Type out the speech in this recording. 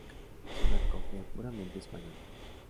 Es una cofia puramente española.